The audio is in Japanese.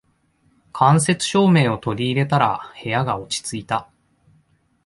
間接照明を取り入れたら部屋が落ち着いた